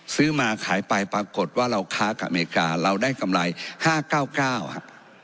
ซื้อมาขายไปปรากฏว่าเราค้ากับอเมริกาเราได้กำไร๕๙๙ครับ